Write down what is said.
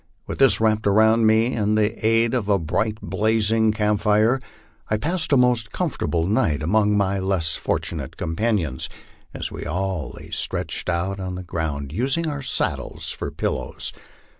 With this wrapped around me and the aid of a bright blazing camp fire, I passed a most comfortable night among my less fortunate companions, as we all lay stretched out on the ground, using our saddles for pillows.